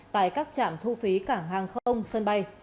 tại các trạm thu phí cảng hàng không sân bay